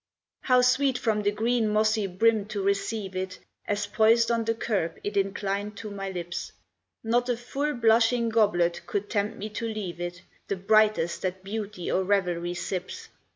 How sweet from the green mossy brim to receive it As poised on the curb it inclined to my lips! Not a full blushing goblet could tempt me to leave it, The brightest that beauty or revelry sips.